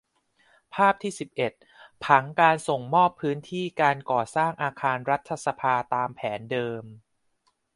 ภาพที่ สิบเอ็ด ผังการส่งมอบพื้นที่การก่อสร้างอาคารรัฐสภาตามแผนเดิม